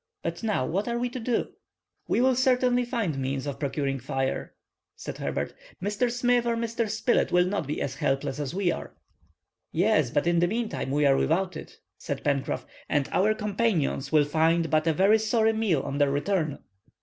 But now, what are we to do?" "We will certainly find means of procuring fire," said Herbert. "Mr. Smith or Mr. Spilett will not be as helpless as we are." "Yes, but in the meantime we are without it," said Pencroff, "and our companions will find but a very sorry meal on their return."